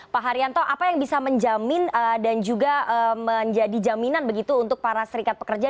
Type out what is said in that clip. pak haryanto apa yang bisa menjamin dan juga menjadi jaminan begitu untuk para serikat pekerja